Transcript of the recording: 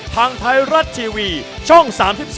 ทางไทยรัฐทีวีช่อง๓๒